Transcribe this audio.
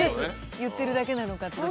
言ってるだけなのかってこと。